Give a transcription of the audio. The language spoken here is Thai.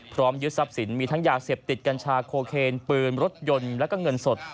ยึดทรัพย์สินมีทั้งยาเสพติดกัญชาโคเคนปืนรถยนต์แล้วก็เงินสด